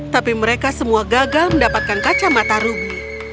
tapi mereka semua gagal mendapatkan kacamata rugi